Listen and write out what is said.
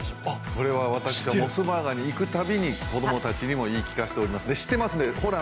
これは私はモスバーガーに行くたびに子供たちに言い聞かせてます。